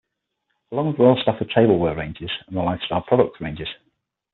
Along with Royal Stafford tableware ranges and the Lifestyle Products ranges.